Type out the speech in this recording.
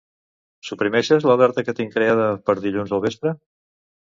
Suprimeixes l'alerta que tinc creada per dilluns al vespre?